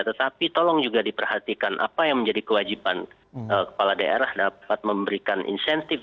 tetapi tolong juga diperhatikan apa yang menjadi kewajiban kepala daerah dapat memberikan insentif